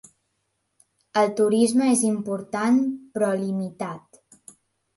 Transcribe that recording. El turisme és important però limitat.